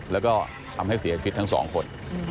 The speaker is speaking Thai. แล้วก็ทำให้เสียชีวิตทั้งสองคน